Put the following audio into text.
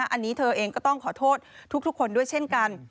อันนี้เธอเองก็ต้องขอโทษทุกคนด้วยเช่นกัน